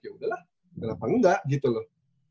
yaudah lah kenapa nggak gitu loh